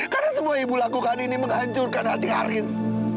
karena semua ibu lakukan ini menghancurkan hati haris